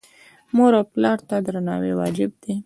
مور او پلار ته درناوی واجب دی